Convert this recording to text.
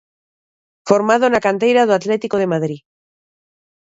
Formado na canteira do Atlético de Madrid.